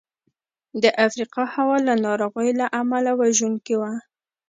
د افریقا هوا له ناروغیو له امله وژونکې وه.